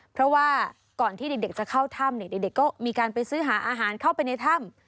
เพราะว่าก่อนที่เด็กจะเข้าถ้ำเนี่ยเด็กก็มีการไปซื้อหาอาหารเข้าไปในถ้ำ